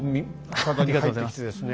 ありがとうございます。